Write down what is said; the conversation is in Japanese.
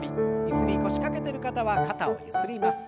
椅子に腰掛けてる方は肩をゆすります。